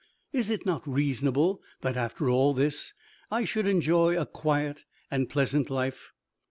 Is it not reasonable that, after all this, I should enjoy a quiet and pleasant life?"